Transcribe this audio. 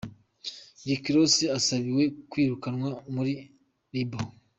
Rick Ross asabiwe kwirukanwa muri Reebok.